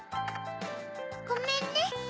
ごめんね。